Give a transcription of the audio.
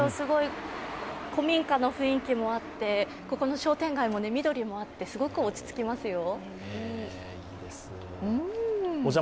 古民家の雰囲気も合ってここの商店街も緑もあってすごく落ち着きますよ。